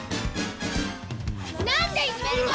何でいじめるの！